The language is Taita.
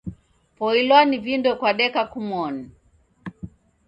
Poilwa ni vindo kwadeka kumoni.